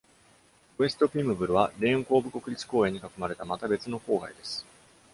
ウエスト・ピムブルは、レーン・コーブ国立公園に囲まれたまた別の郊外です。